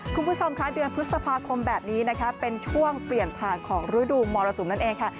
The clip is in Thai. คุณผู้ชมค่ะเดือนพฤษภาคมแบบนี้นะคะเป็นช่วงเปลี่ยนผ่านของฤดูมรสุมนั่นเองค่ะ